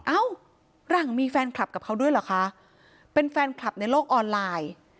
เอ้าหลังมีแฟนคลับกับเขาด้วยเหรอคะเป็นแฟนคลับในโลกออนไลน์